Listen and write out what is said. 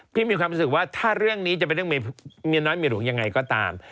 มีความรู้สึกว่าถ้าเรื่องนี้จะเป็นเรื่องเมียน้อยเมียหลวงยังไงก็ตาม